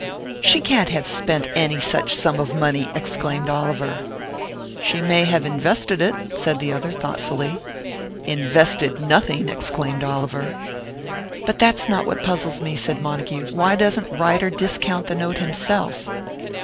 "She can't have spent any such sum of money!" exclaimed Oliver. "She may have invested it," said the other, thoughtfully. "Invested nothing!" exclaimed Oliver. "But that's not what puzzles me," said Montague. "Why doesn't Ryder discount the note himself?"